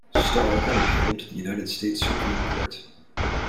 Starr then appealed to the United States Supreme Court.